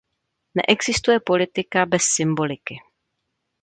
Neexistuje politika bez symboliky.